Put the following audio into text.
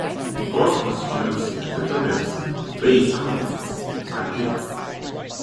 Both constituency- and dependency-based analyses are given.